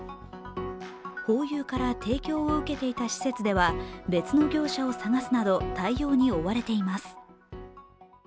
ホーユーから提供を受けていた施設では別の業者を探すなど対応に追われています。